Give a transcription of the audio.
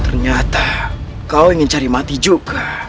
ternyata kau ingin cari mati juga